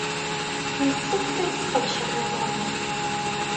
Yessefk ad sqedceɣ amawal.